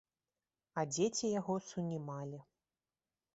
А дзеці яго сунімалі.